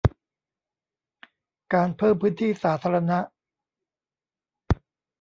การเพิ่มพื้นที่สาธารณะ